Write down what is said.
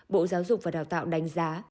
bộ giáo dục và đào tạo đánh giá